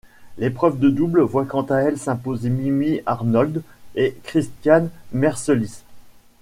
L'épreuve de double voit quant à elle s'imposer Mimi Arnold et Christiane Mercelis.